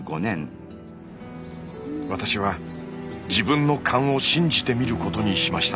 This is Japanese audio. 私は自分の勘を信じてみることにしました。